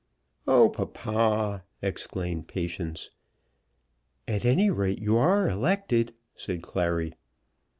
"Oh, papa!" exclaimed Patience. "At any rate you are elected," said Clary.